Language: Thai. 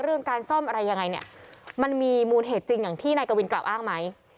เรื่องการซ่อมอะไรยังไงเนี่ยมันมีมูลเหตุจริงอย่างที่นายกวินกล่าวอ้างไหม